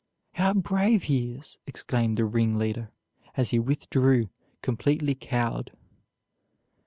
"How brave he is!" exclaimed the ringleader, as he withdrew, completely cowed.